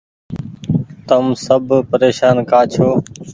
تم سب پريشان ڪآ ڇو۔